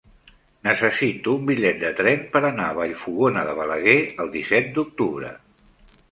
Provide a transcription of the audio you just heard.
Necessito un bitllet de tren per anar a Vallfogona de Balaguer el disset d'octubre.